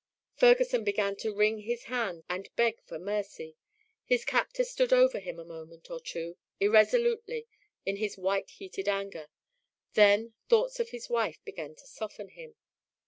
Ferguson began to wring his hands and beg for mercy. His captor stood over him a moment or two irresolutely in his white heated anger; then thoughts of his wife began to soften him.